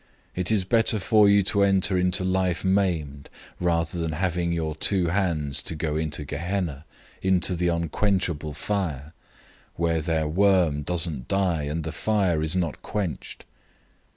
It is better for you to enter into life maimed, rather than having your two hands to go into Gehenna,{or, Hell} into the unquenchable fire, 009:044 'where their worm doesn't die, and the fire is not quenched.'